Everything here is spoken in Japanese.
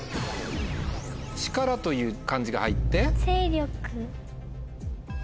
「力」という漢字が入って。